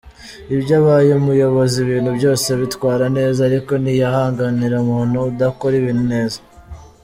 Iyo abaye umuyobozi ibintu byose abitwara neza ariko ntiyihanganira umuntu udakora ibintu neza.